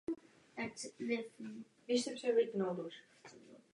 Ten se pak skrze průchody dostává do vlastní nosní dutiny.